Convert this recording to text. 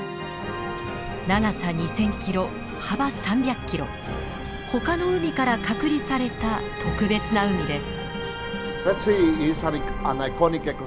長さ２，０００キロ幅３００キロほかの海から隔離された特別な海です。